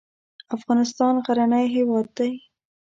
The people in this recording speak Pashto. افغانستان غرنی هېواد دی.